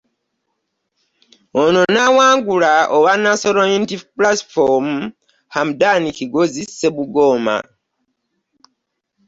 Ono n'awangula owa National Unity Platform Hamudan Kigozi Ssemugoma